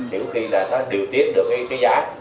hiểu khi là điều tiết được cái giá